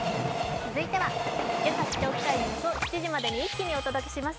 続いては、けさ知っておきたいニュースを７時までに一気にお届けします。